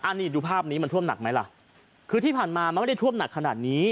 อันนี้ดูภาพนี้มันท่วมหนักไหมล่ะคือที่ผ่านมามันไม่ได้ท่วมหนักขนาดนี้